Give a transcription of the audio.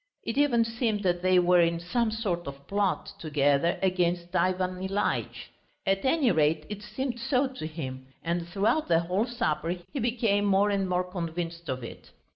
It even seemed that they were in some sort of plot together against Ivan Ilyitch. At any rate it seemed so to him, and throughout the whole supper he became more and more convinced of it.